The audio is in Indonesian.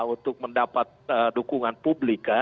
untuk mendapat dukungan publik